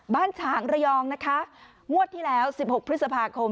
บ้านฉางระยองนะคะมวดที่แล้วสิบหกพฤษภาคม